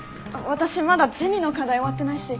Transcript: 私まだゼミの課題終わってないし。